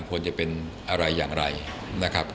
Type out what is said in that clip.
ควรจะเป็นอะไรอย่างไรนะครับ